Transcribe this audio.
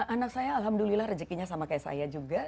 anak saya alhamdulillah rezekinya sama kayak saya juga